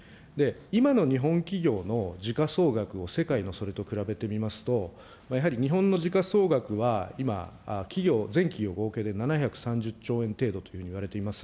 今の日本企業の時価総額を世界のそれと比べてみますと、やはり日本の時価総額は今、企業、全企業合計で７３０兆円程度というふうにいわれています。